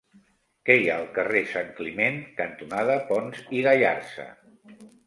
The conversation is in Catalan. Què hi ha al carrer Santcliment cantonada Pons i Gallarza?